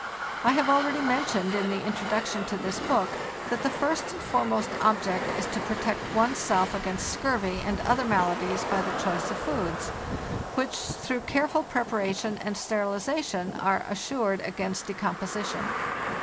1 have already mentioned, in the Introduction to this book, that the first and foremost object is to protect one's self against scurvy and other maladies by the choice of foods, which, through careful preparation and sterilization, are assured against decomposition.